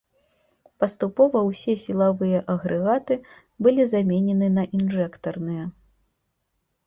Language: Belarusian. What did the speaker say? Паступова ўсе сілавыя агрэгаты былі заменены на інжэктарныя.